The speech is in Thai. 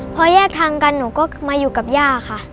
พอแยกทางกันหนูก็มาอยู่กับย่าค่ะ